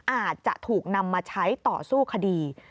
อาจจะถูกนำมาใช้ต่อสู้คดี